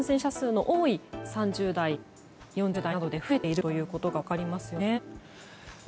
特に、今は感染者数の多い３０代、４０代などで増えているということが分かりますよね。